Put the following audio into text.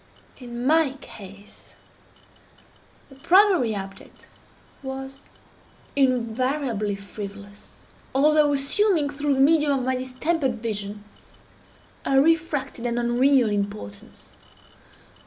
In my case, the primary object was invariably frivolous, although assuming, through the medium of my distempered vision, a refracted and unreal importance.